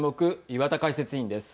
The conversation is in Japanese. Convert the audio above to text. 岩田解説委員です。